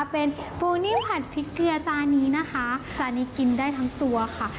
เป็นปูนิ่วผัดพริกเกลือจานนี้นะคะจานนี้กินได้ทั้งตัวค่ะ